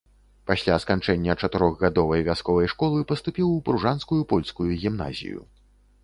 Пасля сканчэння чатырохгадовай вясковай школы паступіў у пружанскую польскую гімназію.